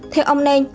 theo ông nen